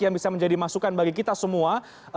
yang bisa menjadi masukan bagi kita semua